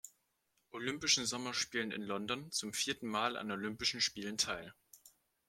Olympischen Sommerspielen in London zum vierten Mal an Olympischen Spielen teil.